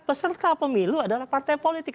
peserta pemilu adalah partai politik